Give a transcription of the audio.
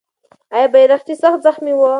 آیا بیرغچی سخت زخمي و؟